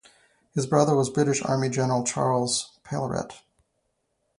His brother was the British Army general Charles Palairet.